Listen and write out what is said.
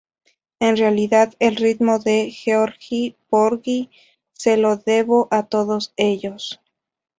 En realidad, el ritmo de "Georgy Porgy" se lo debo a todos ellos".